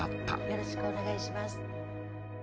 よろしくお願いします。